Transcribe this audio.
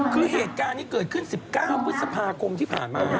คือเหตุการณ์นี้เกิดขึ้น๑๙พฤษภาคมที่ผ่านมา